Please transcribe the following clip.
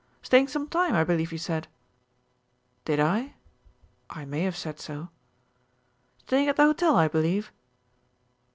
"Staying some time, I believe you said." "Did I? I may have said so." "Staying at the hotel, I believe?"